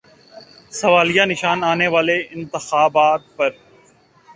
سوالیہ نشان آنے والے انتخابات پر۔